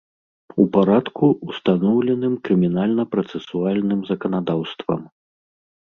У парадку, устаноўленым крымінальна-працэсуальным заканадаўствам.